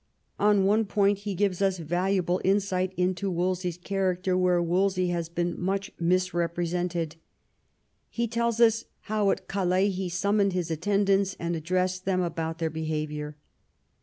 On one point he gives us valuable insight into Wolsey's character where Wolsey has been much misrepresented. He tells us how at Calais he summoned his attendants and ad dressed them about their behaviour.